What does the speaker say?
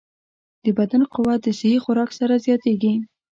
د بدن قوت د صحي خوراک سره زیاتېږي.